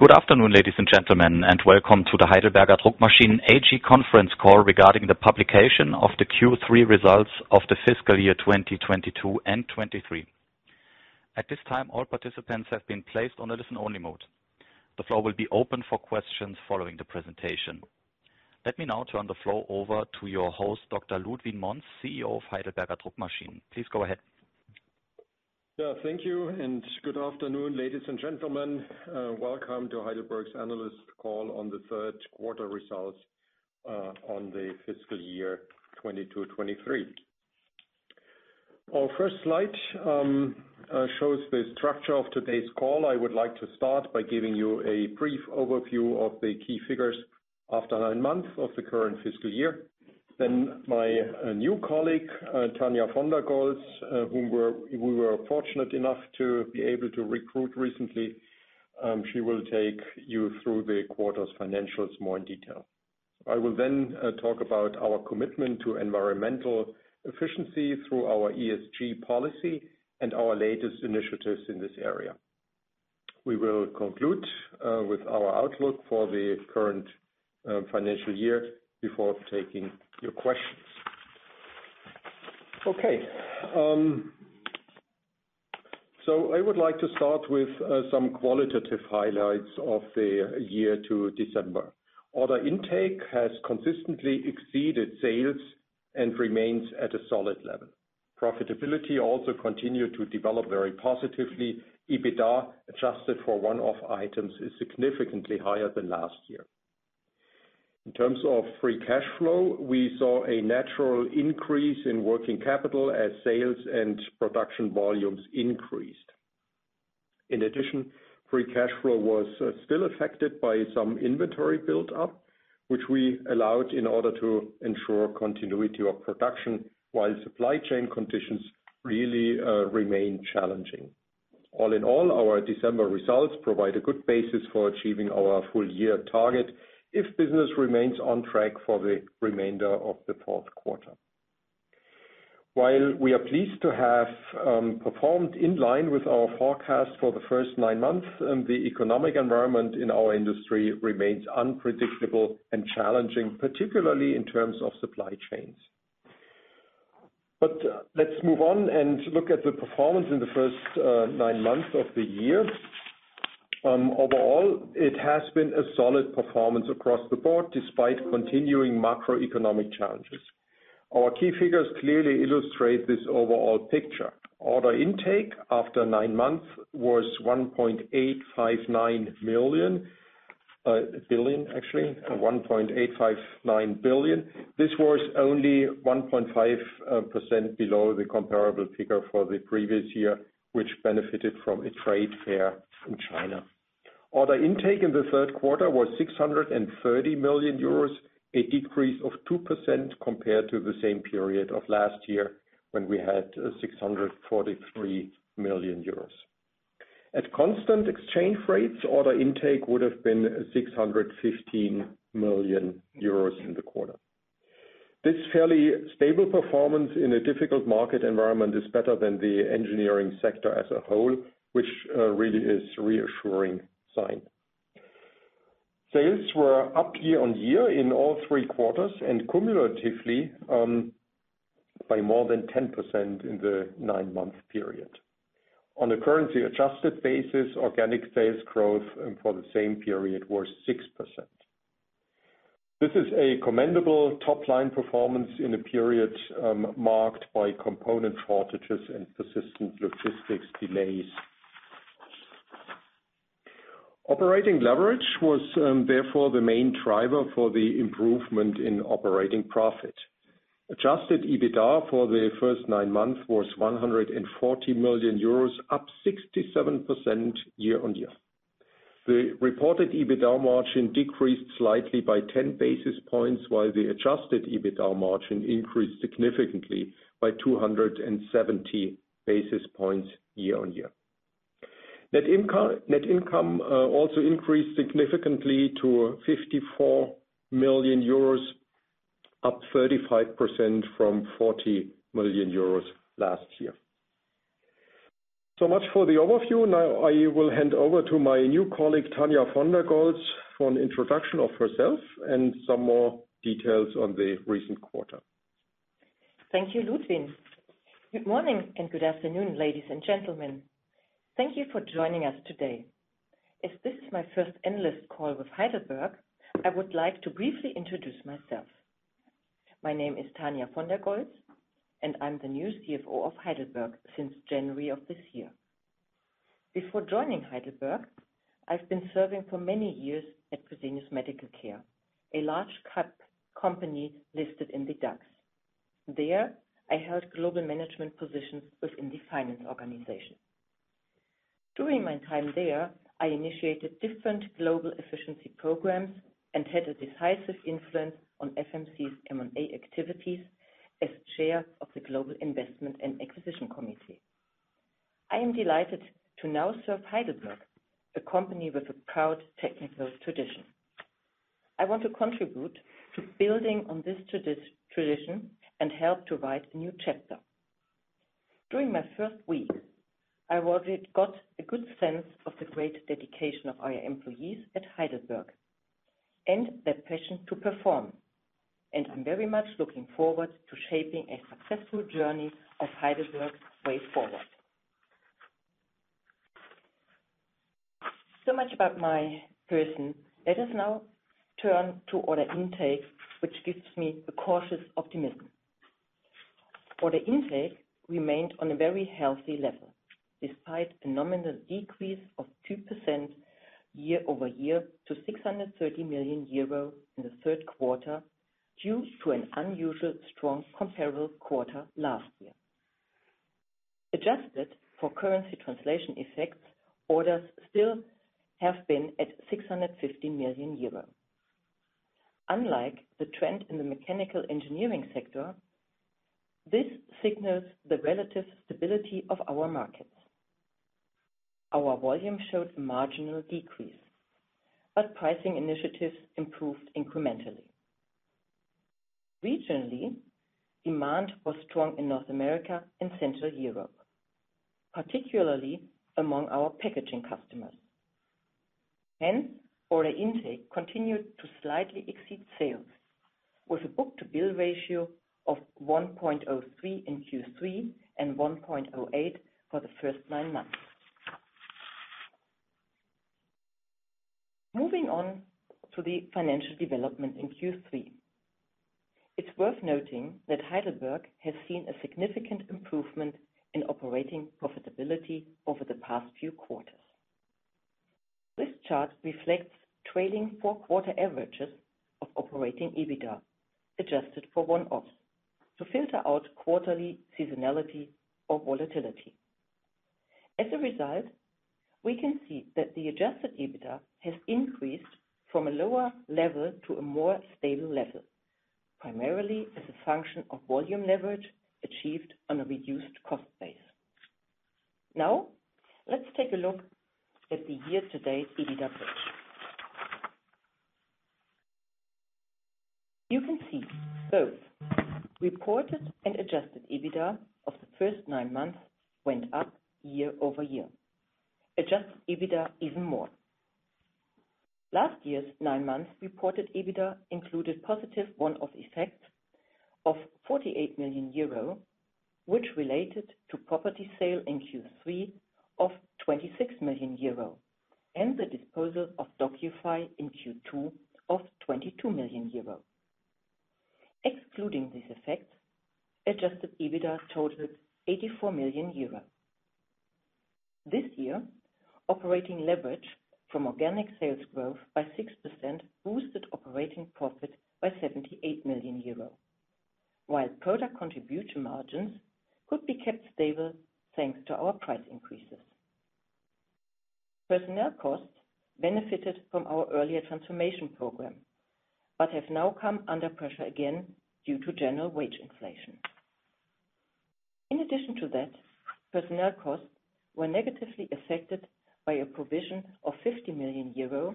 Good afternoon, ladies and gentlemen. Welcome to the Heidelberger Druckmaschinen AG conference call regarding the publication of the Q3 results of the fiscal year 2022 and 2023. At this time, all participants have been placed on a listen-only mode. The floor will be open for questions following the presentation. Let me now turn the floor over to your host, Dr. Ludwin Monz, CEO of Heidelberger Druckmaschinen, please go ahead. Thank you and good afternoon, ladies and gentlemen. Welcome to Heidelberg's analyst call on the third quarter results on the fiscal year 2022, 2023. Our first slide shows the structure of today's call. I would like to start by giving you a brief overview of the key figures after nine months of the current fiscal year. My new colleague, Tania von der Goltz, whom we were fortunate enough to be able to recruit recently, she will take you through the quarter's financials more in detail. I will then talk about our commitment to environmental efficiency through our ESG policy and our latest initiatives in this area. We will conclude with our outlook for the current financial year before taking your questions. Okay. I would like to start with some qualitative highlights of the year to December. Order intake has consistently exceeded sales and remains at a solid level. Profitability also continued to develop very positively. EBITDA, adjusted for one-off items, is significantly higher than last year. In terms of free cash flow, we saw a natural increase in working capital as sales and production volumes increased. In addition, free cash flow was still affected by some inventory built up, which we allowed in order to ensure continuity of production while supply chain conditions really remained challenging. All in all, our December results provide a good basis for achieving our full year target if business remains on track for the remainder of the fourth quarter. While we are pleased to have performed in line with our forecast for the first nine months, the economic environment in our industry remains unpredictable and challenging, particularly in terms of supply chains. Let's move on and look at the performance in the first nine months of the year. Overall, it has been a solid performance across the board despite continuing macroeconomic challenges. Our key figures clearly illustrate this overall picture. Order intake after nine months was one point eight five nine million, billion, actually, 1.859 billion. This was only 1.5% below the comparable figure for the previous year, which benefited from a trade fair in China. Order intake in the third quarter was 630 million euros, a decrease of 2% compared to the same period of last year when we had 643 million euros. At constant exchange rates, order intake would have been 615 million euros in the quarter. This fairly stable performance in a difficult market environment is better than the engineering sector as a whole, which really is reassuring sign. Sales were up year-on-year in all three quarters and cumulatively by more than 10% in the nine-month period. On a currency-adjusted basis, organic sales growth for the same period was 6%. This is a commendable top-line performance in a period marked by component shortages and persistent logistics delays. Operating leverage was, therefore, the main driver for the improvement in operating profit. Adjusted EBITDA for the first nine months was 140 million euros, up 67% year-on-year. The reported EBITDA margin decreased slightly by 10 basis points, while the adjusted EBITDA margin increased significantly by 270 basis points year-on-year. Net income also increased significantly to 54 million euros, up 35% from 40 million euros last year. Much for the overview. I will hand over to my new colleague, Tania von der Goltz, for an introduction of herself and some more details on the recent quarter. Thank you, Ludwin. Good morning and good afternoon, ladies and gentlemen. Thank you for joining us today. As this is my first analyst call with Heidelberg, I would like to briefly introduce myself. My name is Tania von der Goltz, and I'm the new CFO of Heidelberg since January of this year. Before joining Heidelberg, I've been serving for many years at Fresenius Medical Care, a large cap company listed in the DAX. There, I held global management positions within the finance organization. During my time there, I initiated different global efficiency programs and had a decisive influence on FMC's M&A activities as chair of the global acquisitions and investment committee. I am delighted to now serve Heidelberg, a company with a proud technical tradition. I want to contribute to building on this tradition and help to write a new chapter. During my first week, I already got a good sense of the great dedication of our employees at Heidelberg and their passion to perform, and I'm very much looking forward to shaping a successful journey of Heidelberg way forward. So much about my person. Let us now turn to order intake, which gives me a cautious optimism. Order intake remained on a very healthy level, despite a nominal decrease of 2% year-over-year to 630 million euro in the third quarter, due to an unusual strong comparable quarter last year. Adjusted for currency translation effects, orders still have been at 650 million euros. Unlike the trend in the mechanical engineering sector, this signals the relative stability of our markets. Our volume showed marginal decrease, pricing initiatives improved incrementally. Regionally, demand was strong in North America and Central Europe, particularly among our packaging customers. Order intake continued to slightly exceed sales, with a book-to-bill ratio of 1.03 in Q3 and 1.08 for the first nine months. Moving on to the financial development in Q3. It's worth noting that Heidelberg has seen a significant improvement in operating profitability over the past few quarters. This chart reflects trailing four-quarter averages of operating EBITDA, adjusted for one-offs to filter out quarterly seasonality or volatility. We can see that the adjusted EBITDA has increased from a lower level to a more stable level, primarily as a function of volume leverage achieved on a reduced cost base. Let's take a look at the year-to-date EBITDA bridge. You can see both reported and adjusted EBITDA of the first nine months went up year-over-year. Adjusted EBITDA even more. Last year's nine months reported EBITDA included positive one-off effects of 48 million euro, which related to property sale in Q3 of 26 million euro, and the disposal of DOCUFY in Q2 of 22 million euro. Excluding this effect, adjusted EBITDA totaled 84 million euro. This year, operating leverage from organic sales growth by 6% boosted operating profit by 78 million euro. While product contribution margins could be kept stable, thanks to our price increases. Personnel costs benefited from our earlier transformation program, but have now come under pressure again due to general wage inflation. In addition to that, personnel costs were negatively affected by a provision of 50 million euro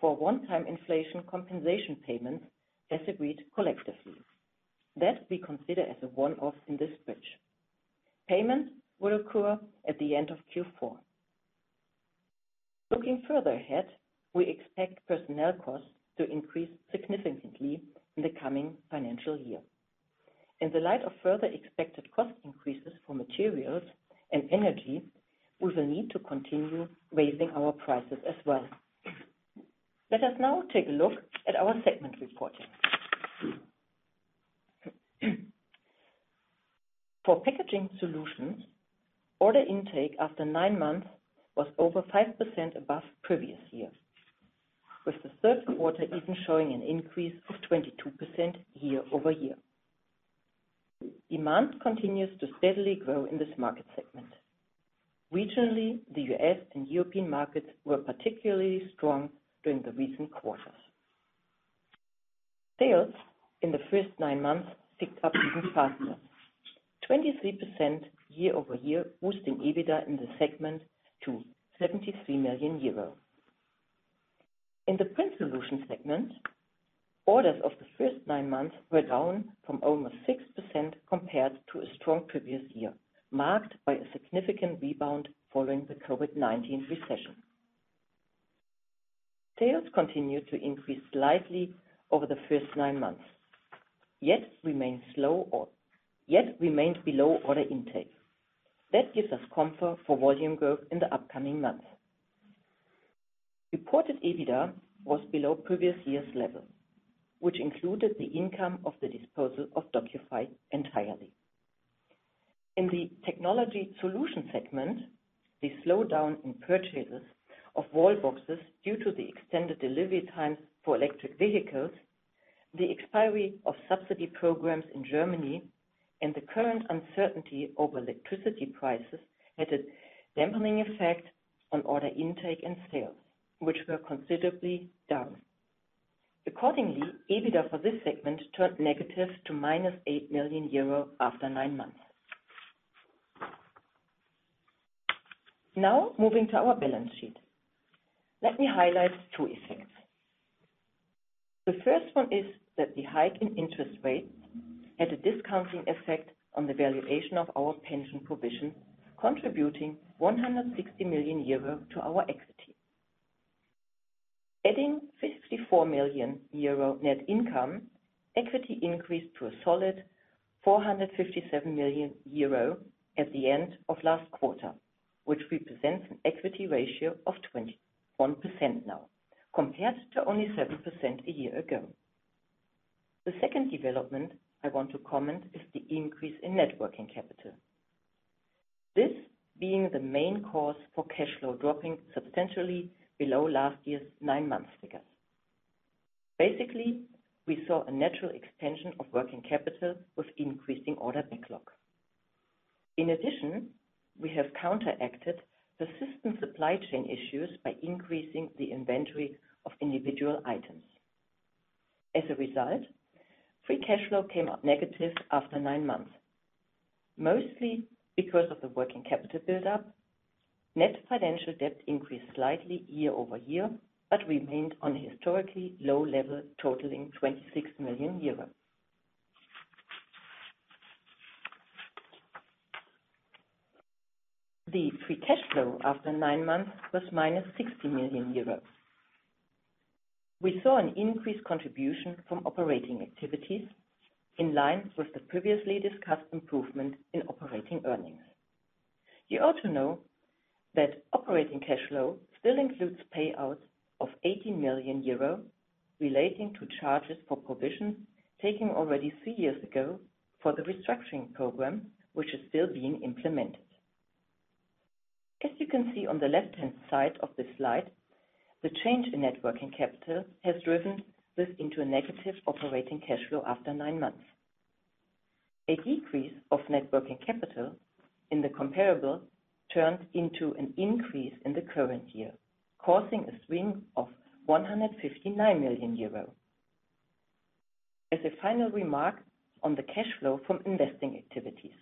for one-time inflation compensation payments, as agreed collectively. That we consider as a one-off in this bridge. Payment will occur at the end of Q4. Looking further ahead, we expect personnel costs to increase significantly in the coming financial year. In the light of further expected cost increases for materials and energy, we will need to continue raising our prices as well. Let us now take a look at our segment reporting. For Packaging Solutions, order intake after nine months was over 5% above previous year, with the third quarter even showing an increase of 22% year-over-year. Demand continues to steadily grow in this market segment. Regionally, the U.S. and European markets were particularly strong during the recent quarters. Sales in the first nine months picked up even faster, 23% year-over-year, boosting EBITDA in the segment to 73 million euro. In the Print Solutions segment, orders of the first nine months were down from almost 6% compared to a strong previous year, marked by a significant rebound following the COVID-19 recession. Sales continued to increase slightly over the first nine months, yet remained below order intake. That gives us comfort for volume growth in the upcoming months. Reported EBITDA was below previous year's level, which included the income of the disposal of DOCUFY entirely. In the Technology Solutions segment, the slowdown in purchases of Wallboxes due to the extended delivery times for electric vehicles, the expiry of subsidy programs in Germany, and the current uncertainty over electricity prices, had a dampening effect on order intake and sales, which were considerably down. Accordingly, EBITDA for this segment turned negative to minus eight million euro after nine months. Now moving to our balance sheet. Let me highlight two effects. The first one is that the hike in interest rates had a discounting effect on the valuation of our pension provision, contributing 160 million euro to our equity. Adding 54 million euro net income, equity increased to a solid 457 million euro at the end of last quarter, which represents an equity ratio of 21% now compared to only 7% a year ago. The second development I want to comment is the increase in net working capital. This being the main cause for cash flow dropping substantially below last year's nine months figures. Basically, we saw a natural extension of working capital with increasing order backlog. In addition, we have counteracted the system supply chain issues by increasing the inventory of individual items. As a result, free cash flow came up negative after nine months. Mostly because of the working capital build up, net financial debt increased slightly year-over-year, but remained on a historically low level, totaling 26 million euros. The free cash flow after nine months was minus 60 million euros. We saw an increased contribution from operating activities in line with the previously discussed improvement in operating earnings. You ought to know that operating cash flow still includes payouts of 80 million euro relating to charges for provisions taken already three years ago for the restructuring program, which is still being implemented. As you can see on the left-hand side of this slide, the change in net working capital has driven this into a negative operating cash flow after nine months. A decrease of net working capital in the comparable turned into an increase in the current year, causing a swing of 159 million euros. As a final remark on the cash flow from investing activities,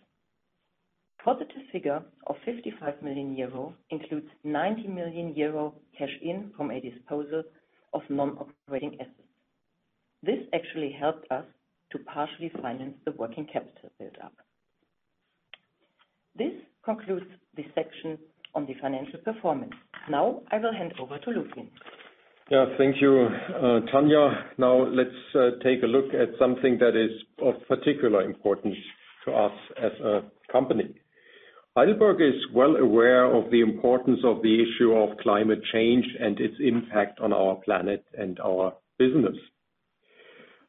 positive figure of 55 million euro includes 90 million euro cash in from a disposal of non-operating assets. This actually helped us to partially finance the working capital build up. This concludes this section on the financial performance. I will hand over to Ludwin. Thank you, Tania. Let's take a look at something that is of particular importance to us as a company. Heidelberg is well aware of the importance of the issue of climate change and its impact on our planet and our business.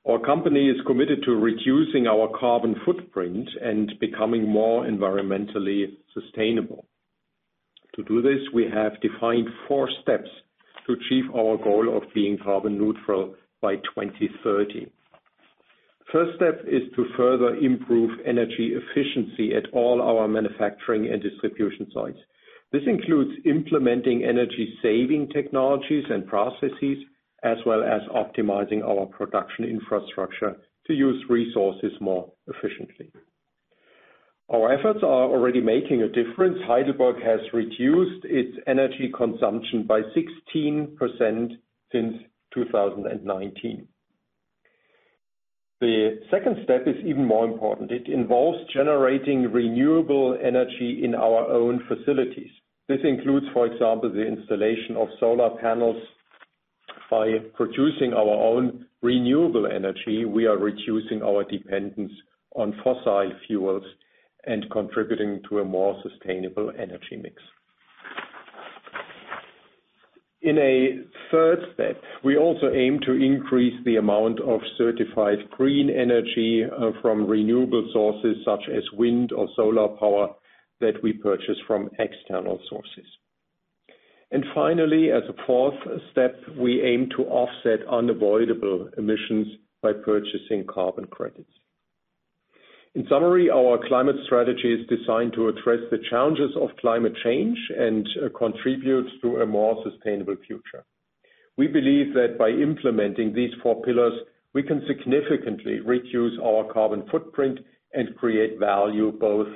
Our company is committed to reducing our carbon footprint and becoming more environmentally sustainable. To do this, we have defined four steps to achieve our goal of being carbon neutral by 2030. First step is to further improve energy efficiency at all our manufacturing and distribution sites. This includes implementing energy saving technologies and processes, as well as optimizing our production infrastructure to use resources more efficiently. Our efforts are already making a difference. Heidelberg has reduced its energy consumption by 16% since 2019. The second step is even more important. It involves generating renewable energy in our own facilities. This includes, for example, the installation of solar panels. By producing our own renewable energy, we are reducing our dependence on fossil fuels and contributing to a more sustainable energy mix. In a third step, we also aim to increase the amount of certified green energy from renewable sources, such as wind or solar power that we purchase from external sources. Finally, as a fourth step, we aim to offset unavoidable emissions by purchasing carbon credits. In summary, our climate strategy is designed to address the challenges of climate change and contributes to a more sustainable future. We believe that by implementing these four pillars, we can significantly reduce our carbon footprint and create value both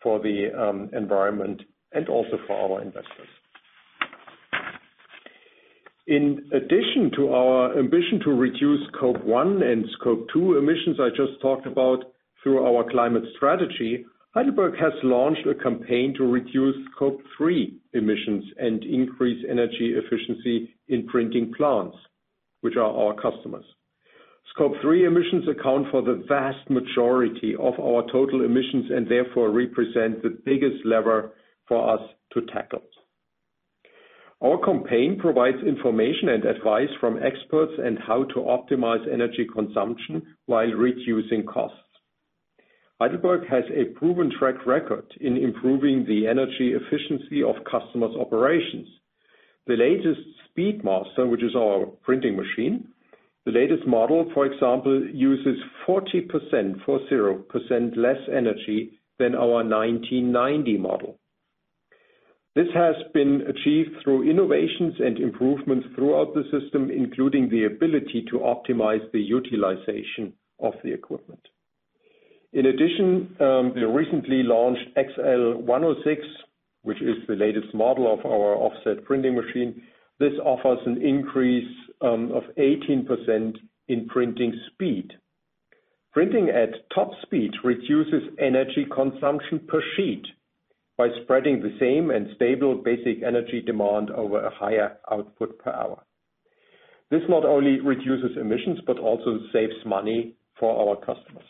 for the environment and also for our investors. In addition to our ambition to reduce Scope 1 and Scope 2 emissions I just talked about through our climate strategy, Heidelberg has launched a campaign to reduce Scope 3 emissions and increase energy efficiency in printing plants, which are our customers. Scope 3 emissions account for the vast majority of our total emissions and therefore represent the biggest lever for us to tackle. Our campaign provides information and advice from experts on how to optimize energy consumption while reducing costs. Heidelberg has a proven track record in improving the energy efficiency of customers' operations. The latest Speedmaster, which is our printing machine, the latest model, for example, uses 40%, 40% less energy than our 1990 model. This has been achieved through innovations and improvements throughout the system, including the ability to optimize the utilization of the equipment. The recently launched XL 106, which is the latest model of our offset printing machine. This offers an increase of 18% in printing speed. Printing at top speed reduces energy consumption per sheet by spreading the same and stable basic energy demand over a higher output per hour. This not only reduces emissions, but also saves money for our customers.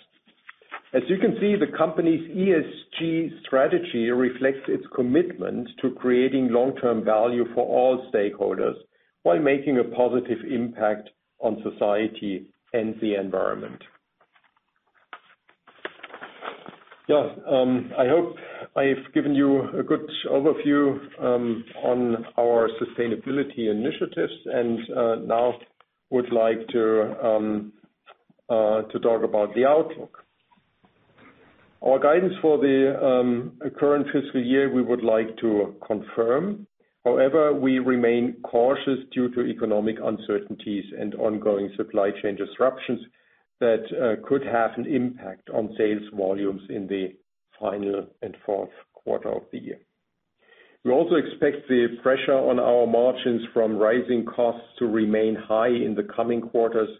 As you can see, the company's ESG strategy reflects its commitment to creating long-term value for all stakeholders while making a positive impact on society and the environment. Yeah. I hope I've given you a good overview on our sustainability initiatives, now would like to talk about the outlook. Our guidance for the current fiscal year, we would like to confirm. We remain cautious due to economic uncertainties and ongoing supply chain disruptions that could have an impact on sales volumes in the final and fourth quarter of the year. We also expect the pressure on our margins from rising costs to remain high in the coming quarters.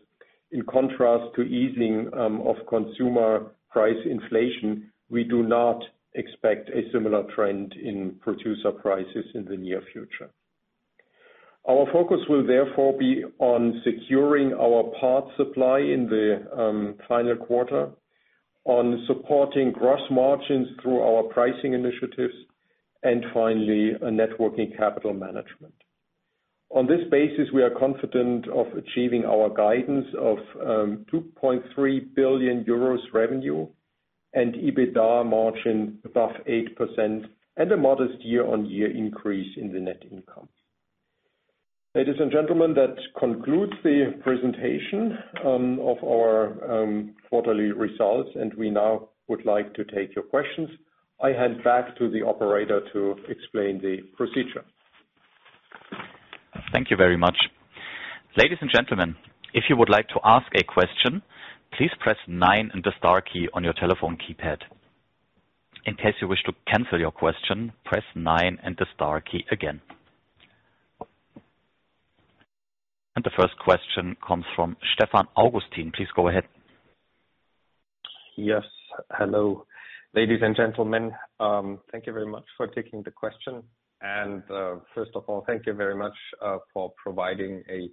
In contrast to easing of consumer price inflation, we do not expect a similar trend in producer prices in the near future. Our focus will therefore be on securing our parts supply in the final quarter, on supporting gross margins through our pricing initiatives, and finally, a net working capital management. On this basis, we are confident of achieving our guidance of 2.3 billion euros revenue and EBITDA margin above 8% and a modest year-on-year increase in the net income. Ladies and gentlemen, that concludes the presentation, of our quarterly results, and we now would like to take your questions. I hand back to the operator to explain the procedure. Thank you very much. Ladies and gentlemen, if you would like to ask a question, please press nine and the star key on your telephone keypad. In case you wish to cancel your question, press nine and the star key again. The first question comes from Stefan Augustin, please go ahead. Yes. Hello, ladies and gentlemen. Thank you very much for taking the question. First of all, thank you very much for providing a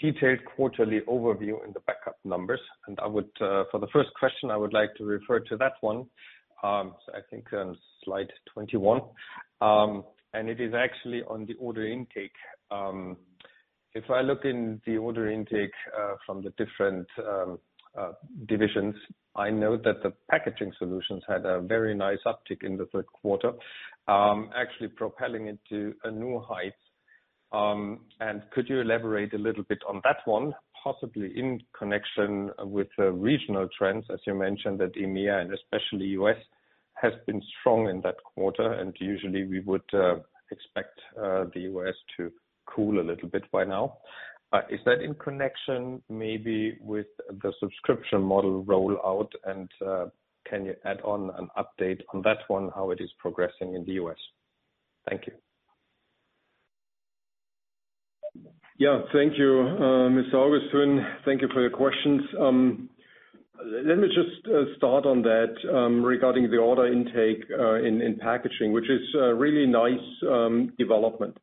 detailed quarterly overview in the backup numbers. For the first question, I would like to refer to that one. I think on slide 21. It is actually on the order intake. If I look in the order intake from the different divisions, I know that the Packaging Solutions had a very nice uptick in the third quarter, actually propelling it to a new height. Could you elaborate a little bit on that one, possibly in connection with the regional trends, as you mentioned, that EMEA and especially U.S. has been strong in that quarter, and usually we would expect the U.S. to cool a little bit by now? Is that in connection maybe with the subscription model rollout? Can you add on an update on that one, how it is progressing in the U.S.? Thank you. Yeah. Thank you, Mr. Augustin. Thank you for your questions. Let me just start on that regarding the order intake in packaging, which is a really nice development.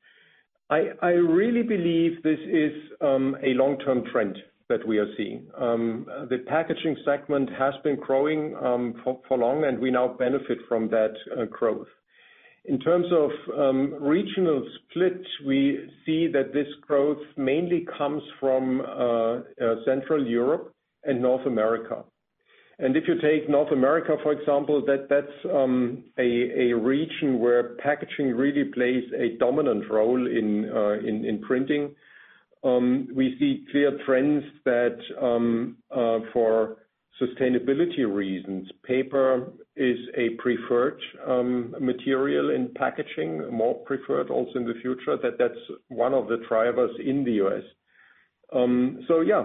I really believe this is a long-term trend that we are seeing. The packaging segment has been growing for long, and we now benefit from that growth. In terms of regional split, we see that this growth mainly comes from Central Europe and North America. If you take North America, for example, that's a region where packaging really plays a dominant role in printing. We see clear trends that for sustainability reasons, paper is a preferred material in packaging, more preferred also in the future, that's one of the drivers in the U.S. Yeah,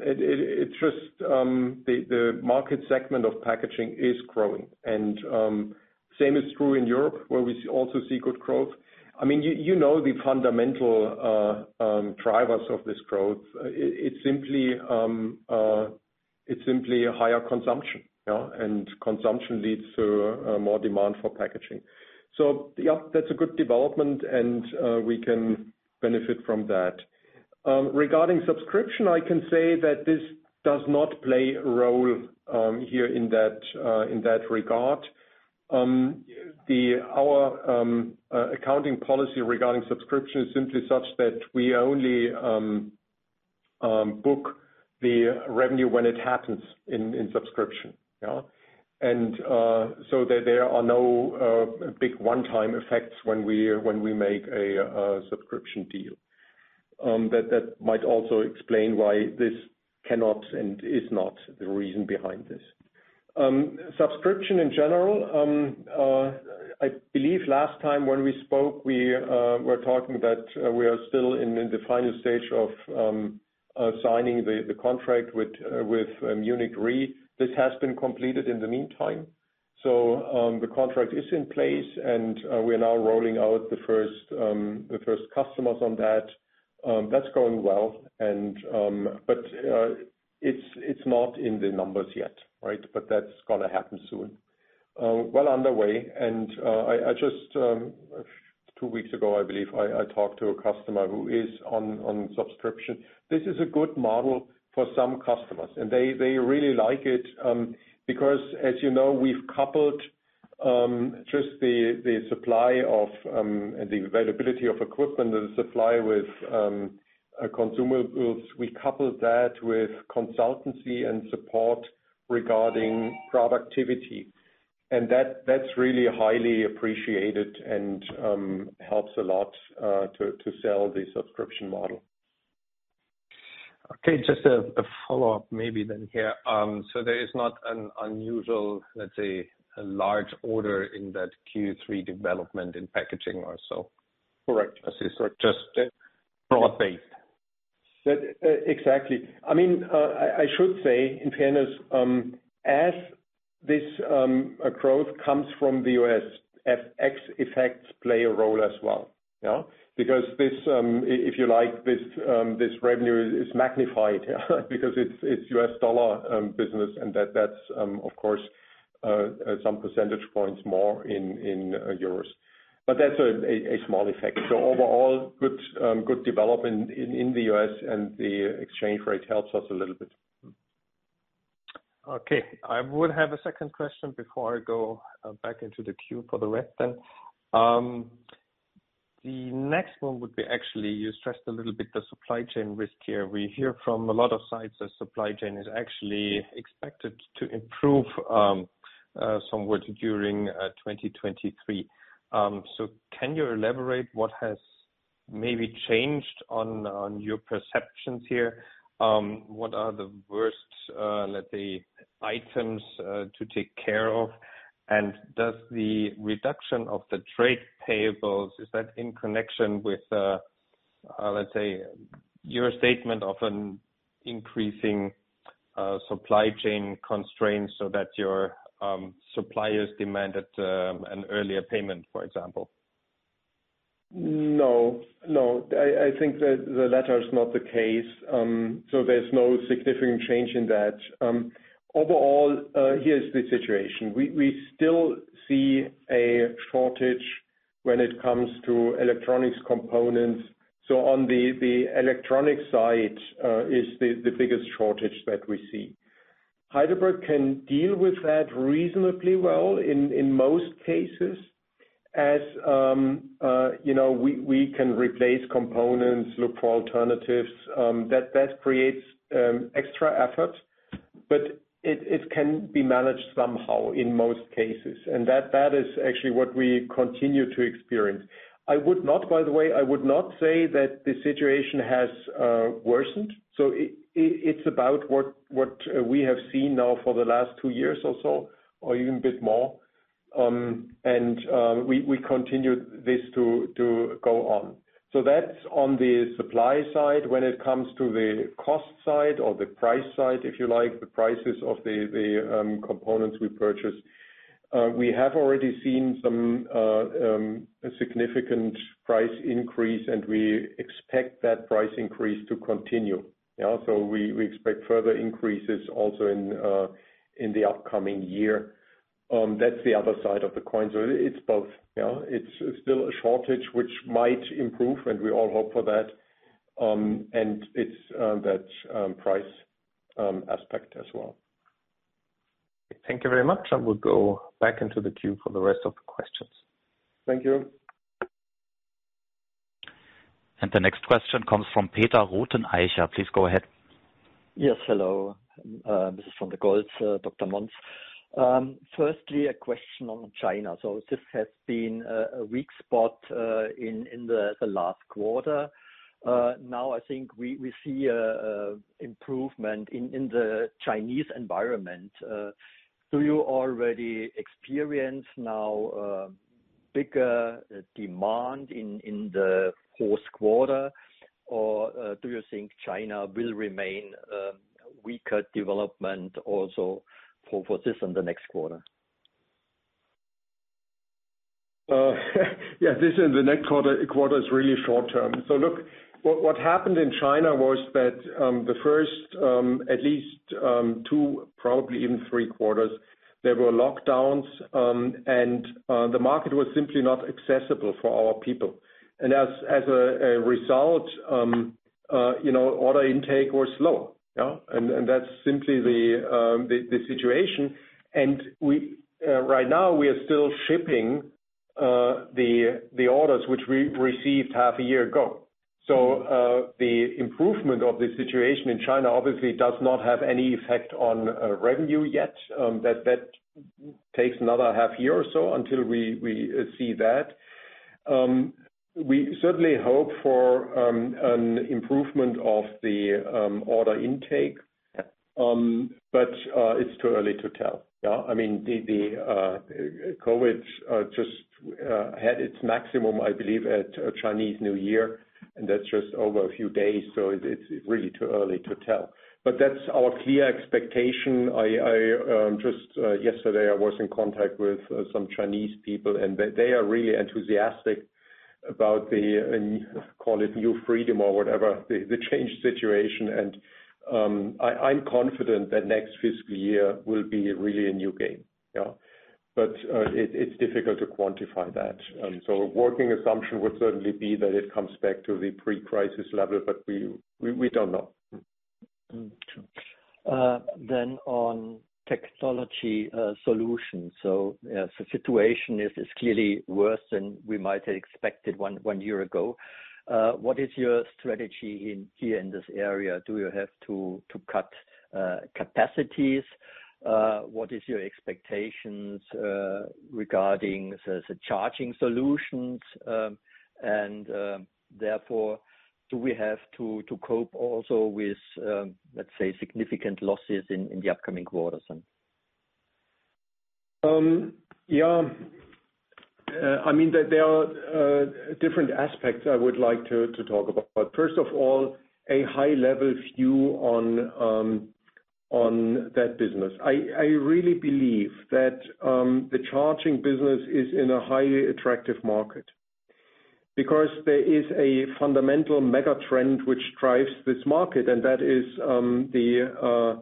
it just the market segment of Packaging Solutions is growing. Same is true in Europe, where we also see good growth. I mean, you know, the fundamental drivers of this growth. It's simply a higher consumption, you know, and consumption leads to more demand for packaging. Yeah, that's a good development, and we can benefit from that. Regarding subscription, I can say that this does not play a role here in that regard. Our accounting policy regarding subscription is simply such that we only book the revenue when it happens in subscription. Yeah. There are no big one-time effects when we make a subscription deal. That might also explain why this cannot and is not the reason behind this. Subscription in general, I believe last time when we spoke, we were talking that we are still in the final stage of signing the contract with Munich Re. This has been completed in the meantime. The contract is in place and we are now rolling out the first customers on that. That's going well and, but it's not in the numbers yet, right? That's gonna happen soon. Well underway and I just two weeks ago, I believe I talked to a customer who is on subscription. This is a good model for some customers, they really like it, because as you know, we've coupled just the supply of the availability of equipment and supply with consumer goods. We coupled that with consultancy and support regarding productivity. That's really highly appreciated and helps a lot to sell the subscription model. Okay. Just a follow-up maybe then here. There is not an unusual, let's say, a large order in that Q3 development in packaging or so? Correct. It's just broad-based. Exactly. I mean, I should say in fairness, as this growth comes from the US, FX effects play a role as well. Yeah. Because this, if you like this revenue is magnified because it's US dollar business and that's, of course, some percentage points more in euros. But that's a small effect. Overall, good development in the US and the exchange rate helps us a little bit. Okay. I would have a second question before I go back into the queue for the rest then. The next one would be actually, you stressed a little bit the supply chain risk here. We hear from a lot of sides, the supply chain is actually expected to improve somewhat during 2023. Can you elaborate what has maybe changed on your perceptions here? What are the worst, let's say, items to take care of? Does the reduction of the trade payables, is that in connection with, let's say your statement of an increasing supply chain constraints so that your suppliers demanded an earlier payment, for example? No, no. I think that the latter is not the case. There's no significant change in that. Overall, here's the situation. We still see a shortage when it comes to electronics components. On the electronic side, is the biggest shortage that we see. Heidelberg can deal with that reasonably well in most cases as, you know, we can replace components, look for alternatives, that creates extra effort, but it can be managed somehow in most cases. That is actually what we continue to experience. I would not, by the way, I would not say that the situation has worsened. It's about what we have seen now for the last two years or so, or even a bit more. We continue this to go on. That's on the supply side. When it comes to the cost side or the price side, if you like, the prices of the components we purchase, we have already seen some significant price increase, and we expect that price increase to continue. Yeah. We expect further increases also in the upcoming year. That's the other side of the coin. It's both. Yeah, it's still a shortage which might improve, and we all hope for that. It's that price aspect as well. Thank you very much. I will go back into the queue for the rest of the questions. Thank you. The next question comes from Peter Rothenaicher, please go ahead. Yes, hello. This is from the Dr. Monz. Firstly, a question on China. This has been a weak spot in the last quarter. Now I think we see a improvement in the Chinese environment. Do you already experience now bigger demand in the fourth quarter? Or do you think China will remain weaker development also for this and the next quarter? Yeah, this and the next quarter is really short term. Look, what happened in China was that the first, at least, two, probably even three quarters, there were lockdowns, and the market was simply not accessible for our people. As a result, you know, order intake was slow. Yeah. That's simply the situation. Right now we are still shipping the orders which we received half a year ago. The improvement of the situation in China obviously does not have any effect on revenue yet. That takes another half year or so until we see that. We certainly hope for an improvement of the order intake. It's too early to tell. Yeah. I mean, the COVID-19 just had its maximum, I believe, at Chinese New Year, and that's just over a few days, so it's really too early to tell. That's our clear expectation. I just yesterday I was in contact with some Chinese people, and they are really enthusiastic about the, call it new freedom or whatever the changed situation. I'm confident that next fiscal year will be really a new game. Yeah. It's difficult to quantify that. Working assumption would certainly be that it comes back to the pre-crisis level, but we don't know. On Technology Solutions. As the situation is clearly worse than we might have expected one year ago. What is your strategy in here in this area? Do you have to cut capacities? What is your expectations regarding the charging solutions? Do we have to cope also with let's say, significant losses in the upcoming quarters then? Yeah. I mean, there are different aspects I would like to talk about. First of all, a high level view on that business. I really believe that the charging business is in a highly attractive market because there is a fundamental mega trend which drives this market, and that is the,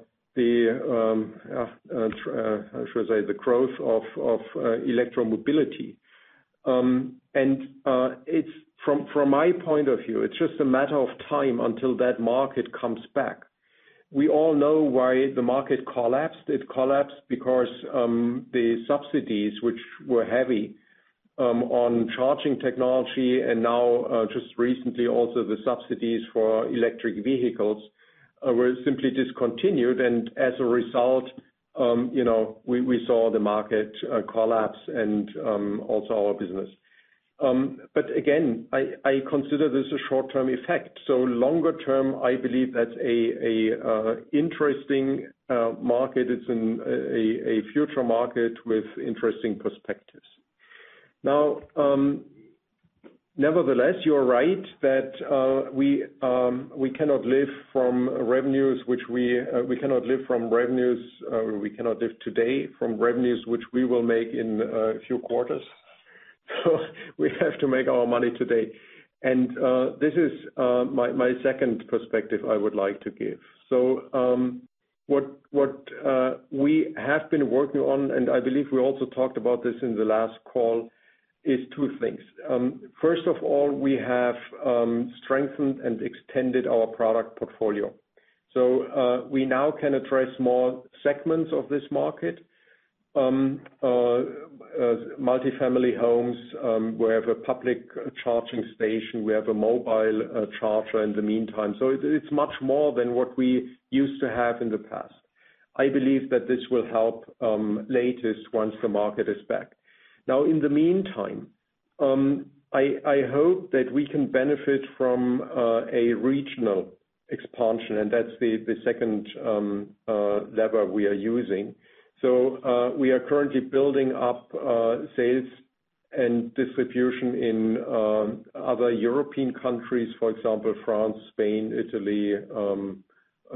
I should say the growth of electro mobility. It's from my point of view, it's just a matter of time until that market comes back. We all know why the market collapsed. It collapsed because the subsidies which were heavy on charging technology and now just recently also the subsidies for electric vehicles were simply discontinued. As a result, you know, we saw the market collapse and also our business. Again, I consider this a short-term effect. Longer term, I believe that's an interesting market. It's a future market with interesting perspectives. Now, nevertheless, you're right that we cannot live today from revenues which we will make in a few quarters. We have to make our money today. This is my second perspective I would like to give. What we have been working on, and I believe we also talked about this in the last call, is two things. First of all, we have strengthened and extended our product portfolio. We now can address more segments of this market, multifamily homes, we have a public charging station, we have a mobile charger in the meantime. It's much more than what we used to have in the past. I believe that this will help latest once the market is back. Now, in the meantime, I hope that we can benefit from a regional expansion, and that's the second lever we are using. We are currently building up sales and distribution in other European countries, for example, France, Spain, Italy,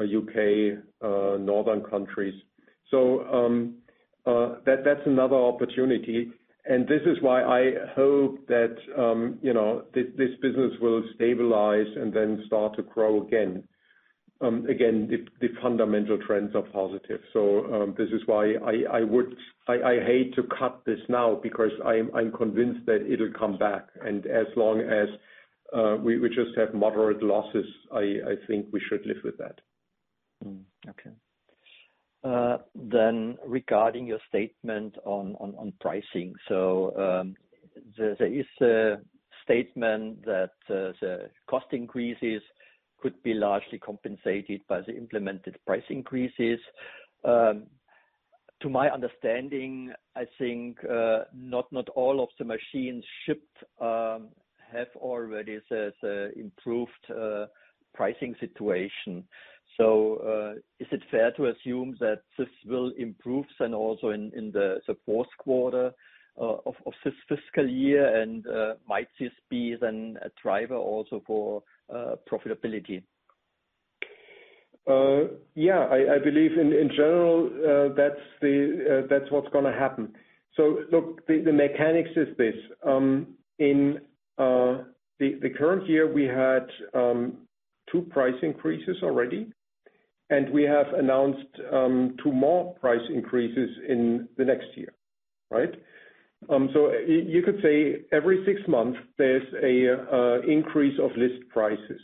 UK, northern countries. That's another opportunity. This is why I hope that, you know, this business will stabilize and then start to grow again. The fundamental trends are positive. This is why I hate to cut this now because I'm convinced that it'll come back. As long as we just have moderate losses, I think we should live with that. regarding your statement on, on pricing. So, um, there is a statement that, uh, the cost increases could be largely compensated by the implemented price increases. To my understanding, I think, uh, not all of the machines shipped, um, have already the improved, uh, pricing situation. So, uh, is it fair to assume that this will improve and also in the fourth quarter, uh, of this fiscal year, and, uh, might this be then a driver also for, uh, profitability Yeah. I believe in general, that's what's gonna happen. Look, the mechanics is this. In the current year, we had two price increases already, and we have announced two more price increases in the next year, right? You could say every six months there's a increase of list prices.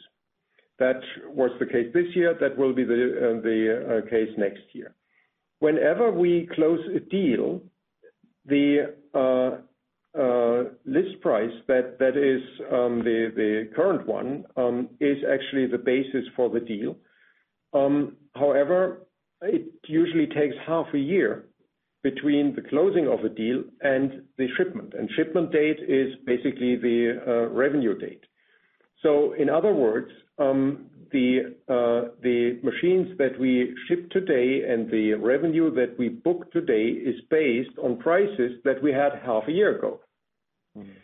That was the case this year. That will be the case next year. Whenever we close a deal, the list price that is the current one is actually the basis for the deal. However, it usually takes half a year between the closing of a deal and the shipment. Shipment date is basically the revenue date. In other words, the machines that we ship today and the revenue that we book today is based on prices that we had half a year ago. Mm.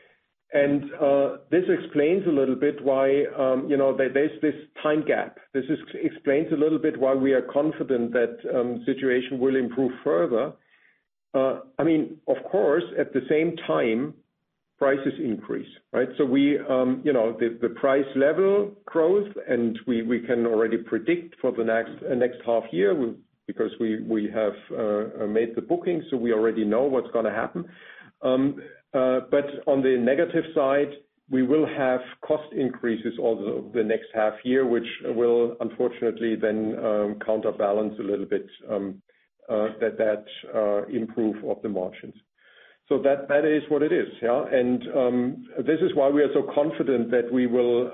This explains a little bit why, you know, there's this time gap. This explains a little bit why we are confident that situation will improve further. I mean, of course, at the same time prices increase, right? We, you know, the price level grows, and we can already predict for the next half year because we have made the bookings, so we already know what's gonna happen. On the negative side, we will have cost increases over the next half year, which will unfortunately then counterbalance a little bit that improve of the margins. That is what it is, yeah? This is why we are so confident that we will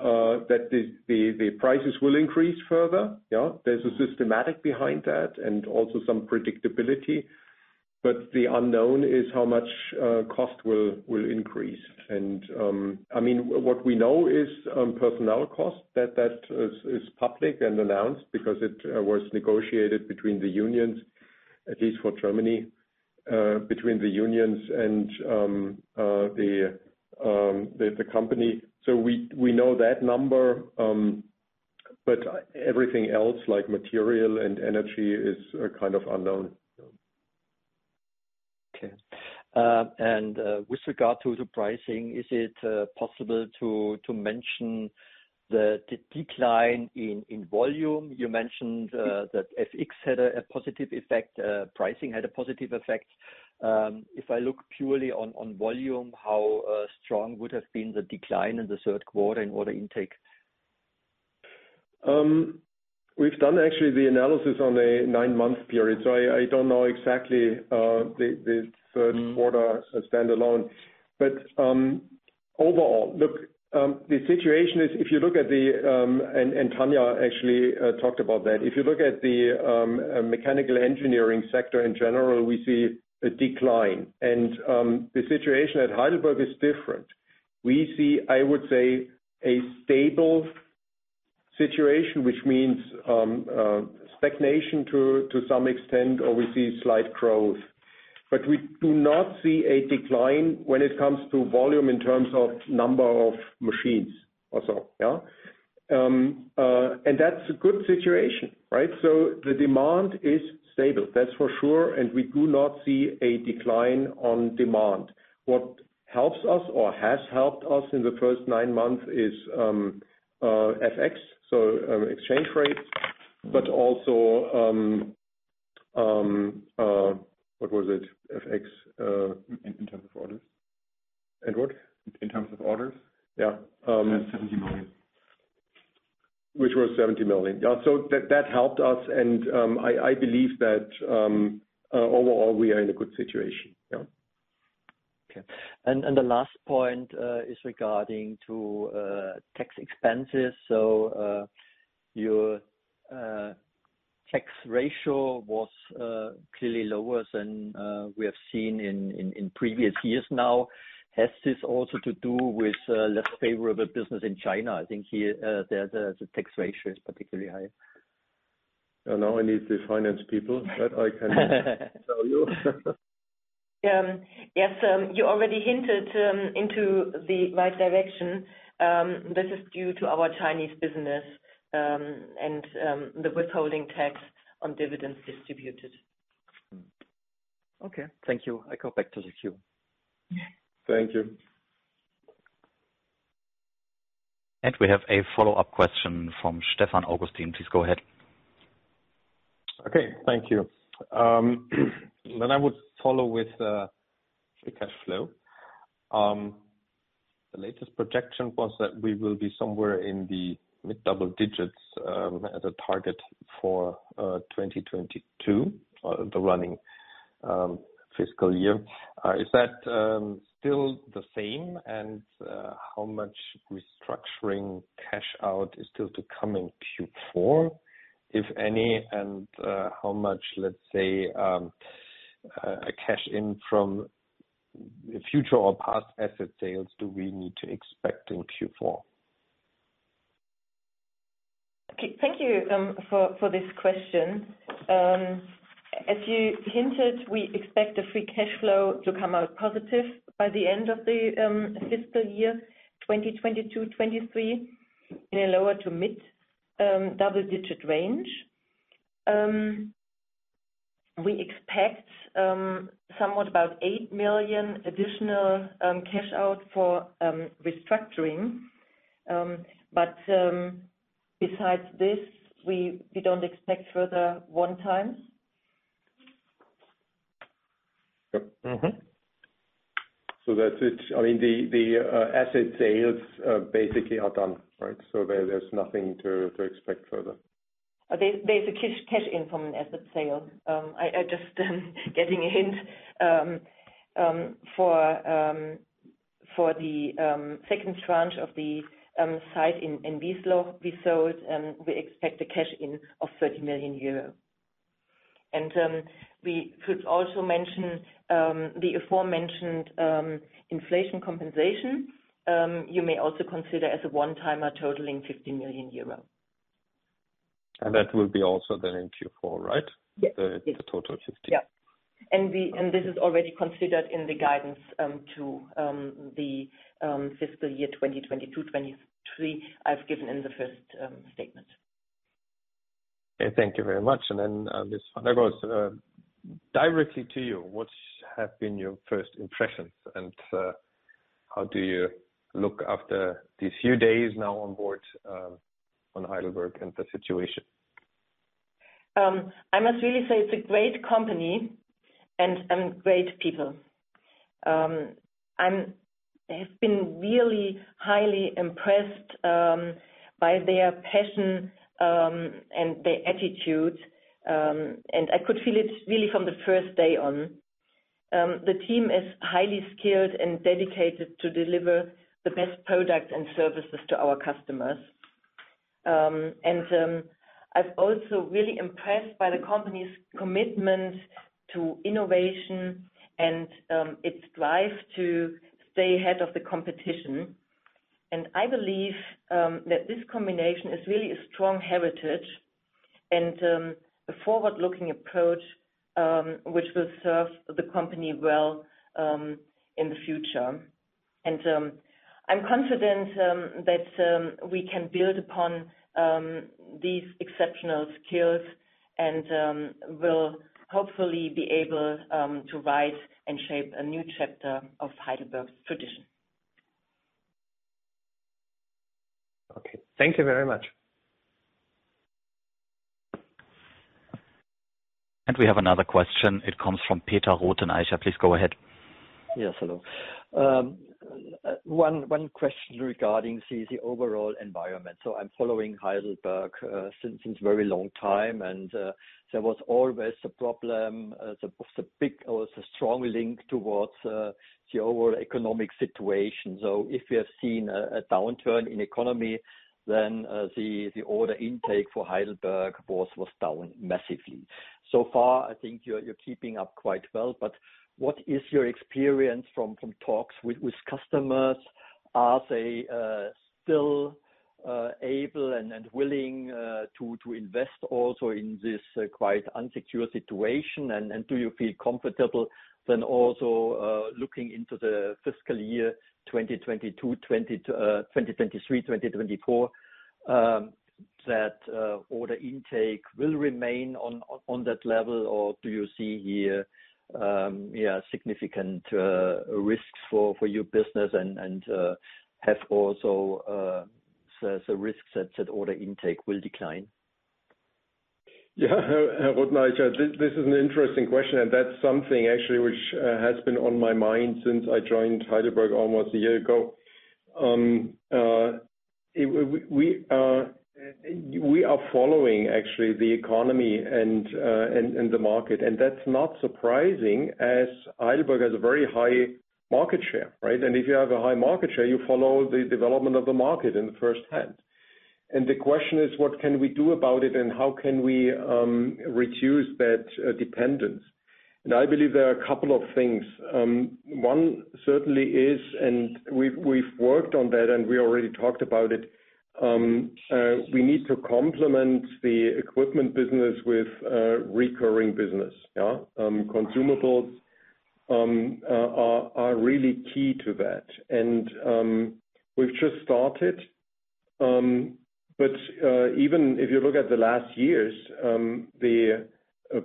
that the prices will increase further, yeah? There's a systematic behind that and also some predictability. The unknown is how much cost will increase. I mean, what we know is personnel costs. That is public and announced because it was negotiated between the unions, at least for Germany, between the unions and the company. We know that number. But everything else like material and energy is kind of unknown. Okay. With regard to the pricing, is it possible to mention the decline in volume? You mentioned that FX had a positive effect, pricing had a positive effect. If I look purely on volume, how strong would have been the decline in the third quarter in order intake? We've done actually the analysis on a nine-month period, I don't know exactly the third quarter standalone. Overall, look, the situation is if you look at the, Tania actually talked about that. If you look at the mechanical engineering sector in general, we see a decline. The situation at Heidelberg is different. We see, I would say, a stable situation, which means stagnation to some extent, or we see slight growth. We do not see a decline when it comes to volume in terms of number of machines also, yeah? That's a good situation, right? The demand is stable, that's for sure, we do not see a decline on demand. What helps us or has helped us in the first nine months is FX, so exchange rates, but also what was it? FX. In terms of orders. Edward? In terms of orders. Yeah. That's 70 million. Which was 70 million. Yeah, that helped us and I believe that overall we are in a good situation. Yeah. Okay. The last point is regarding to tax expenses. Your tax ratio was clearly lower than we have seen in previous years now. Has this also to do with less favorable business in China? I think here there the tax ratio is particularly high. Now I need the finance people, but I can tell you. Yes, you already hinted into the right direction. This is due to our Chinese business and the withholding tax on dividends distributed. Okay. Thank you. I go back to the queue. Thank you. We have a follow-up question from Stefan Augustin. Please go ahead. Okay. Thank you. I would follow with the cash flow. The latest projection was that we will be somewhere in the mid double digits as a target for 2022, the running fiscal year. Is that still the same? How much restructuring cash out is still to come in Q4, if any? How much, let's say, a cash in from future or past asset sales do we need to expect in Q4? Okay, thank you for this question. As you hinted, we expect the free cash flow to come out positive by the end of the fiscal year 2022, 2023 in a lower to mid double-digit range. We expect somewhat about eight million additional cash out for restructuring. Besides this, we don't expect further one times. Mm-hmm. That's it. I mean, the asset sales, basically are done, right? There's nothing to expect further. Basically cash in from an asset sale. I just getting a hint. For the second tranche of the site in Wiesloch we sold, we expect a cash in of 30 million euro. We could also mention the aforementioned inflation compensation, you may also consider as a one-timer totaling 50 million euro. That will be also then in Q four, right? Yes. The total 50. Yeah. This is already considered in the guidance, to the fiscal year 2022, 2023, I've given in the first statement. Thank you very much. Then, Ms. von der Goltz, directly to you, what have been your first impressions? How do you look after these few days now on board, on Heidelberg and the situation? I must really say it's a great company and great people. I have been really highly impressed by their passion and their attitude, and I could feel it really from the first day on. The team is highly skilled and dedicated to deliver the best product and services to our customers. I'm also really impressed by the company's commitment to innovation and its drive to stay ahead of the competition. I believe that this combination is really a strong heritage and a forward-looking approach, which will serve the company well in the future. I'm confident that we can build upon these exceptional skills and will hopefully be able to write and shape a new chapter of Heidelberg's tradition. Okay, thank you very much. We have another question. It comes from Peter Rothenaicher. Please go ahead. Yes. Hello. One question regarding the overall environment. I'm following Heidelberg since very long time and there was always a problem, the big or the strong link towards the overall economic situation. If you have seen a downturn in economy, then the order intake for Heidelberg was down massively. So far, I think you're keeping up quite well, but what is your experience from talks with customers? Are they still able and willing to invest also in this quite insecure situation? Do you feel comfortable then also looking into the fiscal year 2022, 2023, 2024, that order intake will remain on that level? Do you see here, yeah, significant risks for your business and have also the risks that said order intake will decline? Yeah. Rothenaicher, this is an interesting question, and that's something actually which has been on my mind since I joined Heidelberg almost a year ago. We are following actually the economy and the market, and that's not surprising as Heidelberg has a very high market share, right? If you have a high market share, you follow the development of the market in first hand. The question is, what can we do about it, and how can we reduce that dependence? I believe there are a couple of things. One certainly is, and we've worked on that, and we already talked about it. We need to complement the equipment business with recurring business, yeah? Consumables are really key to that. We've just started. Even if you look at the last years, the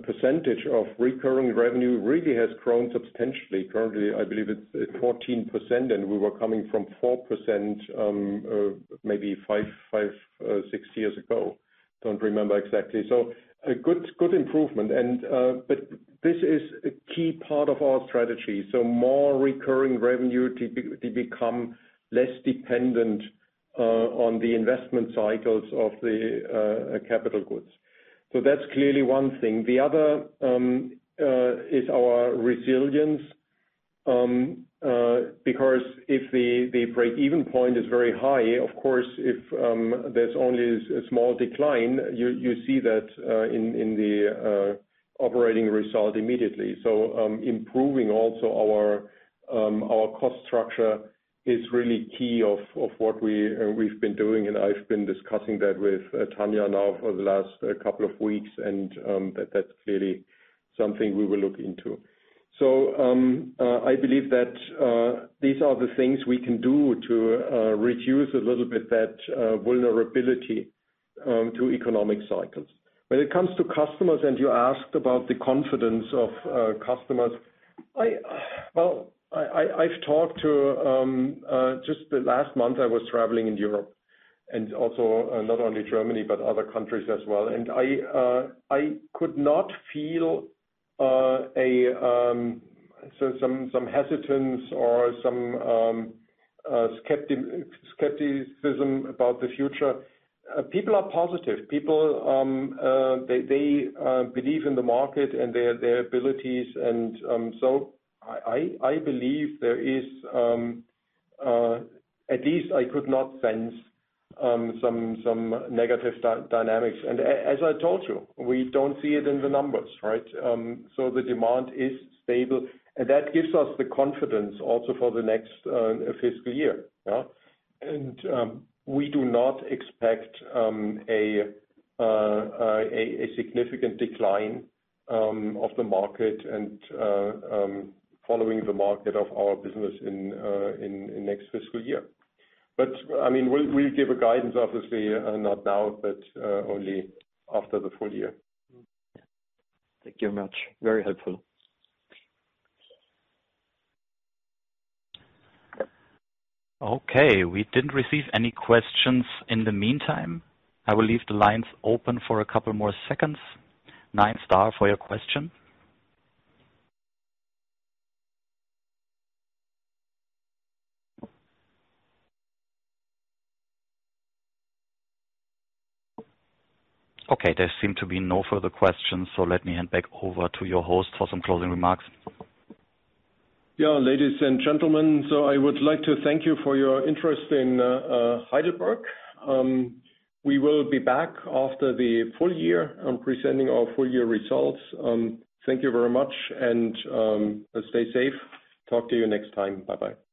percentage of recurring revenue really has grown substantially. Currently, I believe it's at 14%, and we were coming from 4%, maybe five, six years ago. Don't remember exactly. A good improvement and this is a key part of our strategy. More recurring revenue to become less dependent on the investment cycles of the capital goods. That's clearly one thing. The other is our resilience. Because if the break-even point is very high, of course, if there's only small decline, you see that in the operating result immediately. Improving also our cost structure is really key of what we've been doing, and I've been discussing that with Tania now for the last couple of weeks and that's clearly something we will look into. I believe that these are the things we can do to reduce a little bit that vulnerability to economic cycles. When it comes to customers, and you asked about the confidence of customers. Well, I've talked to just the last month I was traveling in Europe and also not only Germany, but other countries as well. I could not feel a so some hesitance or some skepticism about the future. People are positive. People, they believe in the market and their abilities, and so I believe there is, at least I could not sense some negative dynamics. As I told you, we don't see it in the numbers, right? The demand is stable, and that gives us the confidence also for the next fiscal year, yeah? We do not expect a significant decline of the market and following the market of our business in next fiscal year. We'll give a guidance, obviously, not now, but only after the full year. Thank you very much. Very helpful. Okay. We didn't receive any questions in the meantime. I will leave the lines open for a couple more seconds. Nine star for your question. Okay, there seem to be no further questions. Let me hand back over to your host for some closing remarks. ladies and gentlemen, I would like to thank you for your interest in Heidelberg. We will be back after the full year, presenting our full year results. Thank you very much and stay safe. Talk to you next time. Bye-bye.